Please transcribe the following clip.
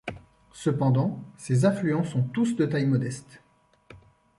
Cependant ces affluents sont tous de taille modeste.